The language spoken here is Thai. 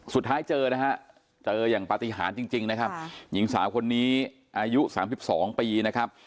สุดท้ายเจอนะฮะเจออย่างปฏิหารจริงนะครับหญิงสาวคนนี้อายุ๓๒ปีนะครับ